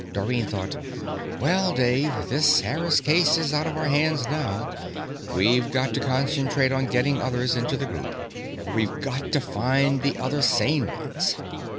Dorrine thought: _Well, Dave, this Harris case is out of our hands now; we've got to concentrate on getting others into the Group we've got to find the other sane ones.